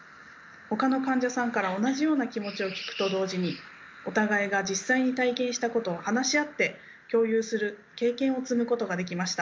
ほかの患者さんから同じような気持ちを聞くと同時にお互いが実際に体験したことを話し合って共有する経験を積むことができました。